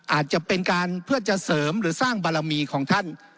อาจจะเป็นการเพื่อจะเสริมหรือสร้างบารมีของท่าน